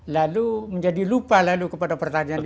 lalu menjadi lupa lalu kepada pertanian itu